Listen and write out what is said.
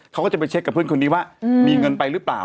เขาก็จะไปเช็คกับเพื่อนคนนี้ว่ามีเงินไปหรือเปล่า